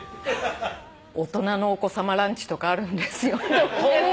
「大人のお子さまランチとかあるんですよ」って教えてくれて。